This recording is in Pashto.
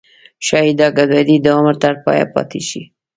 ښایي دا ګډوډي د عمر تر پایه پاتې شي.